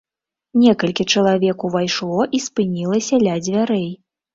Некалькі чалавек увайшло і спынілася ля дзвярэй.